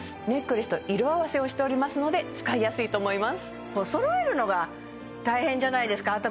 ネックレスと色合わせをしておりますので使いやすいと思います揃えるのが大変じゃないですか